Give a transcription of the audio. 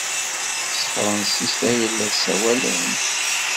S tefṛensist ay la ssawalen?